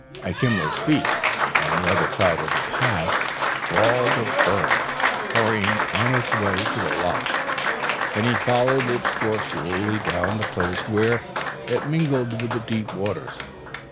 At Gimblet's feet, on the other side of the path, brawled a burn, hurrying on its way to the loch, and he followed its course slowly down to the place where it mingled with the deep waters.